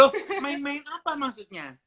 main main apa maksudnya